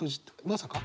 まさか。